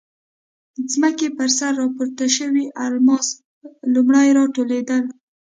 ځمکې پر سر راپورته شوي الماس لومړی راټولېدل.